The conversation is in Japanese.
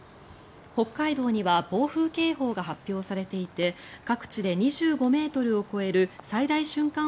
北海道には暴風警報が発表されていて各地で２５ｍを超える最大瞬間